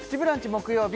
木曜日